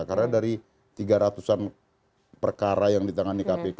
karena dari tiga ratusan perkara yang ditangani kpk